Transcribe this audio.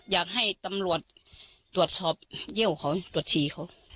อยากให้ตำรวจตรวจสอบเยี่ยวเขาตรวจฉี่เขา